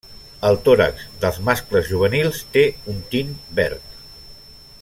El tòrax dels mascles juvenils té un tint verd.